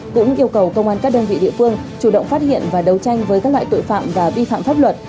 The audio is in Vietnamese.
cũng yêu cầu công an các đơn vị địa phương chủ động phát hiện và đấu tranh với các loại tội phạm và vi phạm pháp luật